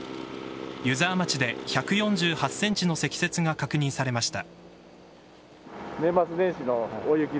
湯沢町で１４８ｃｍの積雪が確認されました。